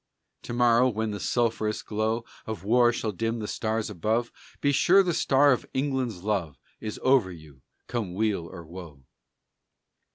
To morrow, when the sulphurous glow Of war shall dim the stars above, Be sure the star of England's love Is over you, come weal or woe.